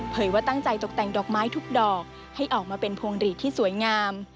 ว่าตั้งใจตกแต่งดอกไม้ทุกดอกให้ออกมาเป็นพวงหลีดที่สวยงาม